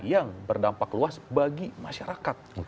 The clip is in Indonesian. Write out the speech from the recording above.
yang berdampak luas bagi masyarakat